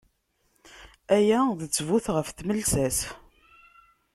Aya d ttbut ɣef tmelsa-s.